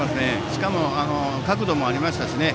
しかも、角度もありましたしね。